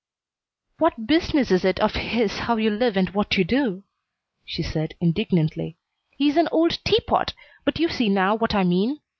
"What business is it of his how you live and what you do?" she said, indignantly. "He's an old teapot, but you see now what I mean.